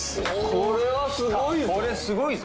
これはすごいぞ。